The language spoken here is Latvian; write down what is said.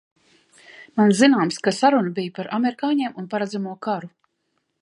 Man zināms, ka sarunas bij par amerikāņiem un paredzamo karu!